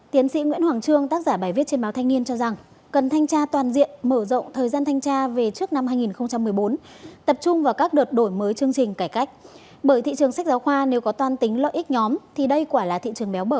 tiến sĩ nguyễn hoàng trương tác giả bài viết trên báo thanh niên cho rằng cần thanh tra toàn diện mở rộng thời gian thanh tra về trước năm hai nghìn một mươi bốn tập trung vào các đợt đổi mới chương trình cải cách bởi thị trường sách giáo khoa nếu có toan tính lợi ích nhóm thì đây quả là thị trường méo bở